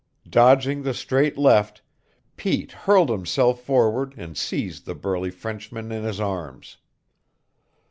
Dodging the straight left, Pete hurled himself forward and seized the burly Frenchman in his arms.